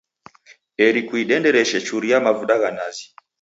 Eri kuidendereshe churia mavuda gha nazi.